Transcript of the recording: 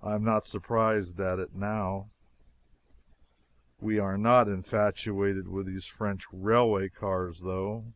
I am not surprised at it now. We are not infatuated with these French railway cars, though.